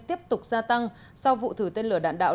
tiếp tục gia tăng sau vụ thử tên lửa đạn đạo